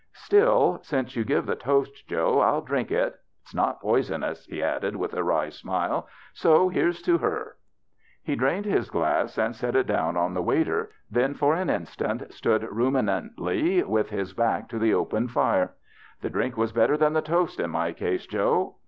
" Still, since you give the toast, Joe, I'll drink it. It's not poisonous," he added, with a wry smile —" so here's to her,'' He di ained his glass and set it down on the waiter, then for an instant stood ruminantly with his back to the open fire. " The drink was better than the toast in my case, Joe.